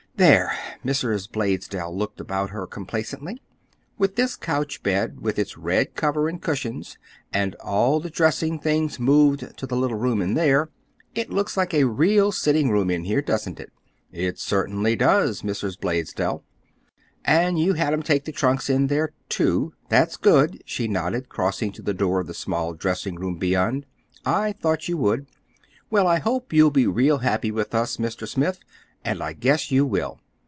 "There!" Mrs. Blaisdell looked about her complacently. "With this couch bed with its red cover and cushions, and all the dressing things moved to the little room in there, it looks like a real sitting room in here, doesn't it?" "It certainly does, Mrs. Blaisdell." "And you had 'em take the trunks in there, too. That's good," she nodded, crossing to the door of the small dressing room beyond. "I thought you would. Well, I hope you'll be real happy with us, Mr. Smith, and I guess you will.